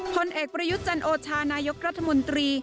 ผลเอกประยุทธ์จันโอชานายกรัฐมนตรี